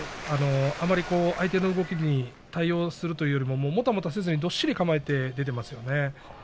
あまり相手の動きに対応するというよりも、もたもたせずにどっしり構えて出ていますよね。